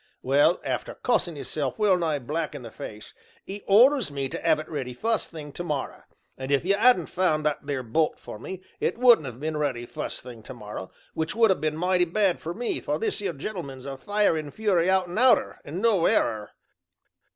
Well, after cussin' 'isself well nigh black in the face, 'e orders me to have it ready fust thing to morra, and if you 'adn't found that there bolt for me it wouldn't have been ready fust thing to morra, which would ha' been mighty bad for me, for this 'ere gentleman's a fire and fury out and outer, and no error."